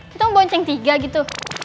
kita mau bonceng tiga gitu